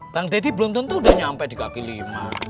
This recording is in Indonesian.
bang deddy belum tuntut udah nyampe di kaki lima